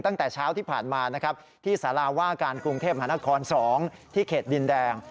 ตั้งแต่เช้าที่ผ่านมานะครับที่สาราว่าการกรุงเทพมหานคร๒ที่เขตดินแดง